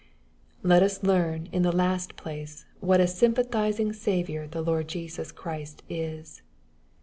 Let us learn in the last place, what a sympathiimg Saviour the Lord Jesus Christ is.